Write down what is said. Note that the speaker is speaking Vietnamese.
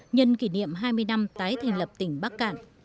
nhân kỷ niệm hai mươi năm tái thành lập tỉnh bắc cạn